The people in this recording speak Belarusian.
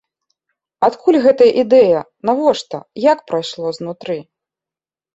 Адкуль гэтая ідэя, навошта, як прайшло знутры?